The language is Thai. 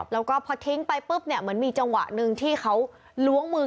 แล้วก็พอทิ้งไปปุ๊บมีจังหวะหนึ่งที่เขาล้วงมือ